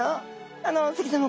あの関さま